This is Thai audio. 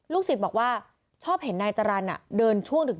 ศิษย์บอกว่าชอบเห็นนายจรรย์เดินช่วงดึก